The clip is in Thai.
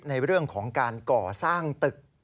ในเรื่องของการก่อสร้างตึก